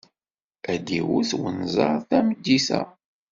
Ad d-iwet wenẓar tameddit-a.